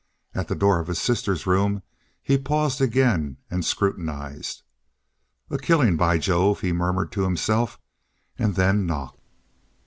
At the door of his sister's room he paused again and scrutinized. "A killing by Jove!" he murmured to himself, and then knocked.